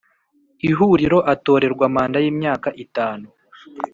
Ihuriro atorerwa manda y imyaka itanu